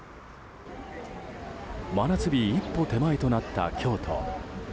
真夏日一歩手前となった京都。